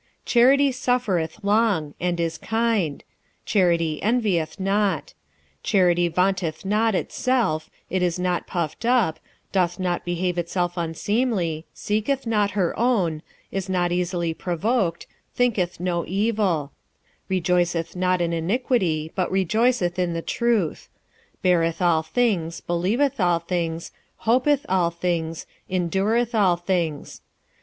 46:013:004 Charity suffereth long, and is kind; charity envieth not; charity vaunteth not itself, is not puffed up, 46:013:005 Doth not behave itself unseemly, seeketh not her own, is not easily provoked, thinketh no evil; 46:013:006 Rejoiceth not in iniquity, but rejoiceth in the truth; 46:013:007 Beareth all things, believeth all things, hopeth all things, endureth all things.